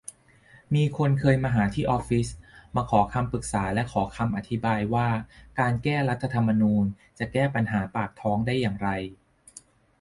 มีคนเคยมาหาที่ออฟฟิศ มาขอคำปรึกษาและขอคำอธิบายว่า การ แก้รัฐธรรมนูญ จะแก้ปัญหาปากท้องได้อย่างไร